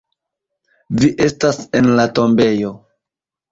Vi estas en la tombejo.